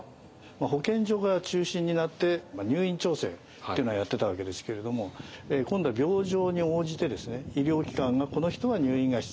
保健所が中心になって入院調整ってのはやってたわけですけれども今度は病状に応じて医療機関が「この人は入院が必要だ」